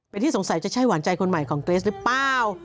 เป็นที่สงสัยจะใช่หวานใจคนใหม่ของเกรสหรือเปล่า